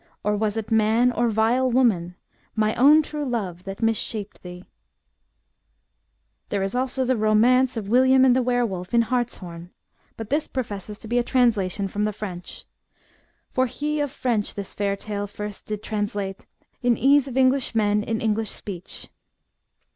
Or was it man, or vile woman, My ain true love, that mis shaped thee? FOLK LORE RELATING TO WERE WOLVES. 101 There is also the romance of William and the Were wolf in Hartshorn;* but this professes to be a translation from the French :— For he of Prenche this fayre tale ferst dede translate, In ese of Englysch men in Engljsch speche.